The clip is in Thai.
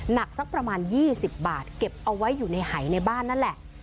หนักสักประมาณ๒๐บาทเก็บเอาไว้อยู่ในหายในบ้านนั่นแหละ